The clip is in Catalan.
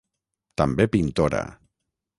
També pintora.